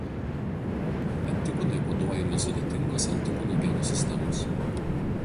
Antikūnai koduojami sudėtingos antikūnų genų sistemos.